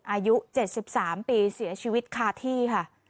อายุ๗๓ปีเสียชีวิตคาที่ค่ะ